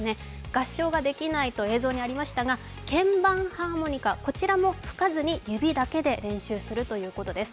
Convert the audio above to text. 合唱ができないと映像にありましたが、鍵盤ハーモニカ、こちらも吹かずに指だけで練習するということです。